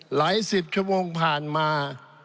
หลายสิบชั่วโมงผ่านมา